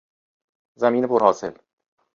زمین پر حاصل